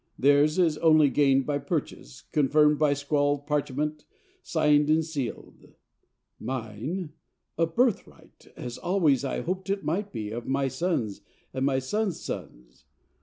Theirs is only gained by purchase, confirmed by scrawled parchment, signed and sealed; mine a birthright, as always I hoped it might be of my sons and my sons' sons.